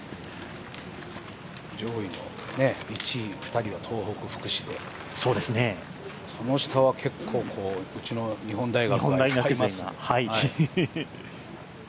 上位の１位２人は東北福祉でその下は結構うちの日本大学が。